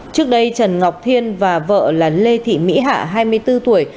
trước đây trần ngọc thiên và vợ là lê thị mỹ hạ hai mươi bốn tuổi